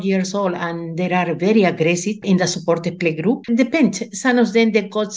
tergantung beberapa dari mereka memiliki beberapa jenis kebutuhan khusus